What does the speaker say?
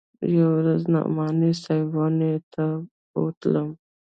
يوه ورځ نعماني صاحب واڼې ته بوتلم.